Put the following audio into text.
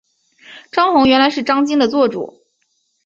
张宏原来是张鲸的座主。